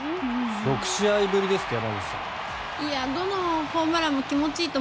６試合ぶりですって。